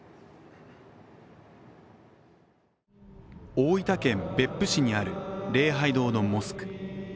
大分県別府市にある礼拝堂のモスク。